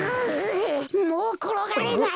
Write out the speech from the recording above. もうころがれない。